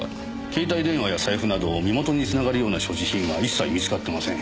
携帯電話や財布など身元につながるような所持品は一切見つかってません。